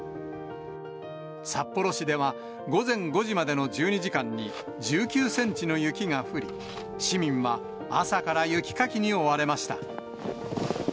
札幌市では午前５時までの１２時間に１９センチの雪が降り、市民は朝から雪かきに追われました。